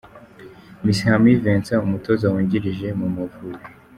Mashami Vincent umutoza wungirije mu Mavubi.